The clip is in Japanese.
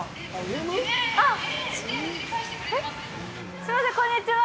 すいません、こんにちは！